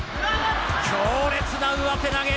強烈な上手投げ！